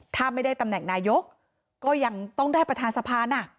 ถ้าไม่ได้ตำแหน่งนายกก็ยังต้องได้ประธานสภานะ